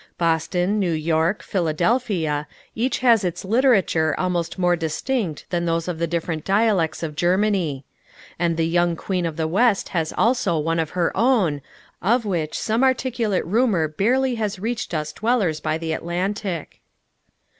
Boston, New York, Philadelphia, each has its literature almost more distinct than those of the different dialects of Germany; and the Young Queen of the West has also one of her own, of which some articulate rumor barely has reached us dwellers by the Atlantic.